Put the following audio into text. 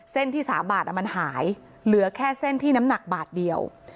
ที่๓บาทมันหายเหลือแค่เส้นที่น้ำหนักบาทเดียว